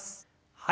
はい。